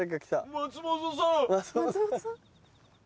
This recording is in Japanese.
松本さん？